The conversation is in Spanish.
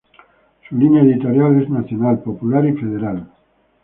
Su línea editorial es nacional, popular y federal.